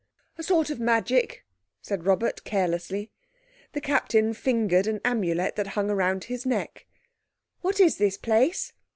"A sort of magic," said Robert carelessly. The Captain fingered an Amulet that hung round his neck. "What is this place?"